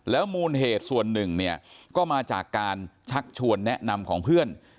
มูลเหตุส่วนหนึ่งเนี่ยก็มาจากการชักชวนแนะนำของเพื่อน